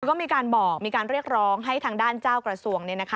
ก็มีการบอกมีการเรียกร้องให้ทางด้านเจ้ากระทรวง